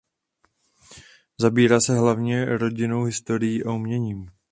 Zaobírá se hlavně rodinnou historií a uměním.